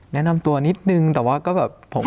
แนะนำตัวนิดนึงแต่ว่าก็แบบผมก็จำไม่ได้